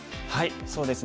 そうですね